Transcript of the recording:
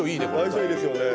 相性いいですよね。